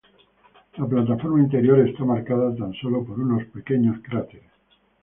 La plataforma interior está marcada tan solo por unos pequeños cráteres.